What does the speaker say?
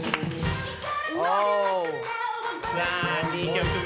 さあ２曲目。